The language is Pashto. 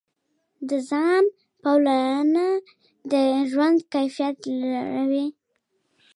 د ځان پاملرنه د ژوند کیفیت لوړوي.